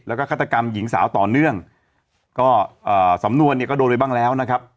แล้วก็ฆาตกรรมหญิงสาวต่อเนื่องก็เอ่อสำนวนเนี่ยก็โดนไปบ้างแล้วนะครับ